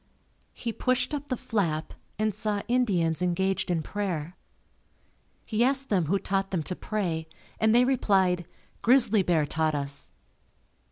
He pushed up the flap and saw Indians engaged in prayer. He asked them who taught them to pray and they replied "Grizzly Bear taught us."